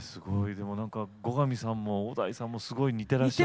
でもなんか後上さんも小田井さんもすごい似てらっしゃって。